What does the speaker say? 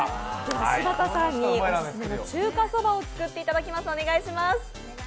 柴田さんにオススメの中華そばを作っていただきます。